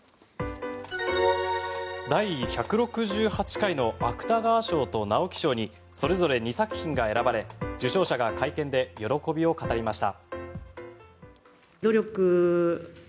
第１６８回の芥川賞と直木賞にそれぞれ２作品が選ばれ受賞者が会見で喜びを語りました。